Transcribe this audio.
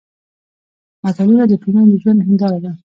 متلونه د ټولنې د ژوند هېنداره ده